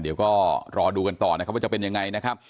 เดี๋ยวก็รอดูกันต่อนะครับว่าจะเป็นยังไงนะครับ